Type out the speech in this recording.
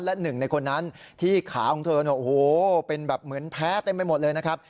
และหนึ่งในคนนั้นที่ขาของเธอเนี่ยโอ้โหเป็นแบบเหมือนแพ้เต็มไปหมดเลยนะครับ